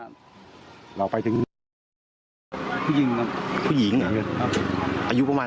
อะไรตวว่า